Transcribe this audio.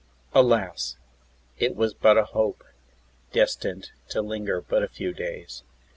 Alas! It was but a hope, destined to linger but a few days.